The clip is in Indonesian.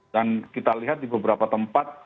dan kita lihat di beberapa tempat